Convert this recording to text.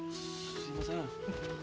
すいません。